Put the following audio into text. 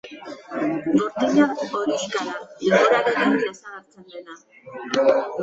Gortina horixka da, denborarekin desagertzen dena.